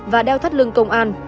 và đeo thắt lưng công an